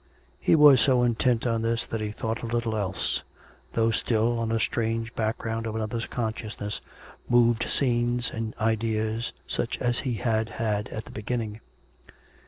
He was so intent on this that he thought of little else; though still, on a strange background of another conscious ness, moved scenes and ideas such as he had had at the beginning.